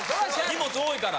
荷物多いから。